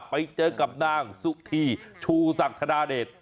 ไปเจอกับนางสุธีชูศักธนาเดช